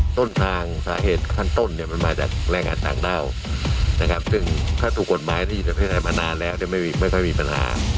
ต้นทางสาเหตุขั้นต้นเนี่ยมันมาจากแรงงานต่างด้าวนะครับซึ่งถ้าถูกกฎหมายนี่จะพิจารณามานานแล้วไม่ค่อยมีปัญหา